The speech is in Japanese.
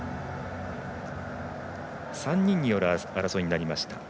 ３人による争いになりました。